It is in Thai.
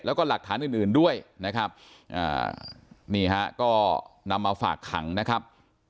แล้วก็หลักฐานอื่นด้วยนะครับนี่ฮะก็นำมาฝากขังนะครับ